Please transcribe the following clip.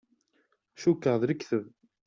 Cukkeɣ d lekdeb.